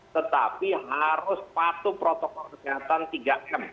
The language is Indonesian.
tetapi harus patuh protokol kesehatan tiga m